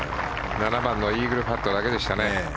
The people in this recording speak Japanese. ７番のイーグルパットだけでしたね。